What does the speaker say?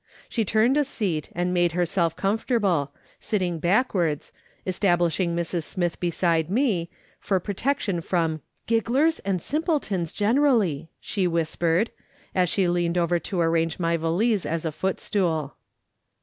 She turned a seat and made her self comfortable, sitting backwards, establishing Mrs. Smith beside me, for protection from " gigglers and simpletons generally," she whispered, as she leaned over to arrange my valise as a footstool.